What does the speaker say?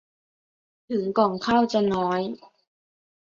ถึงก่องข้าวจะน้อย